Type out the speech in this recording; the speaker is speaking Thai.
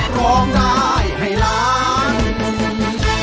ร้องได้ให้ล้าน